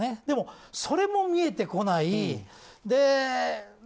でも、それも見えてこない。